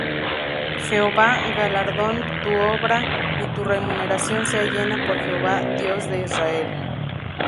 Jehová galardone tu obra, y tu remuneración sea llena por Jehová Dios de Israel.